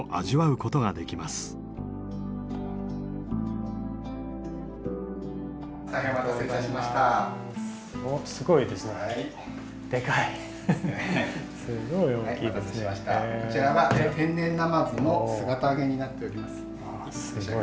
こちらが天然ナマズの姿揚げになっております。